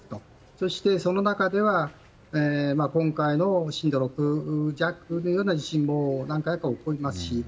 そして、その中では今回の震度６弱のような地震も何回か起きますし。